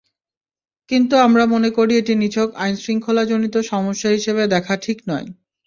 কিন্তু আমরা মনে করি এটি নিছক আইনশৃঙ্খলাজনিত সমস্যা হিসেবে দেখা ঠিক নয়।